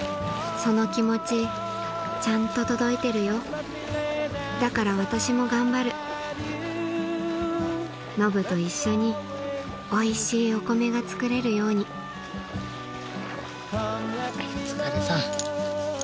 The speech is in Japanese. その気持ちちゃんと届いてるよだから私も頑張るのぶと一緒においしいお米が作れるようにお疲れさん。